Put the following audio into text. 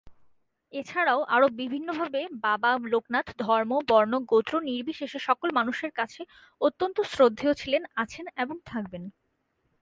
এছাড়াও আরো বিভিন্নভাবে বাবা লোকনাথ ধর্ম, বর্ণ, গোত্র নির্বিশেষে সকল মানুষের কাছে অত্যন্ত শ্রদ্ধেয় ছিলেন, আছেন এবং থাকবেন।